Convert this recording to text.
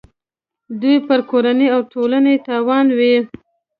دوی پر کورنۍ او ټولنې تاوان وي.